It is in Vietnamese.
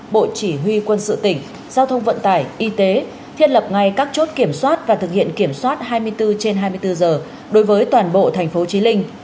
bộ chỉ huy quân sự tỉnh giao thông vận tải y tế thiết lập ngay các chốt kiểm soát và thực hiện kiểm soát hai mươi bốn trên hai mươi bốn giờ đối với toàn bộ thành phố trí linh